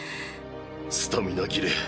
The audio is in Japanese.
スタミナ切れ。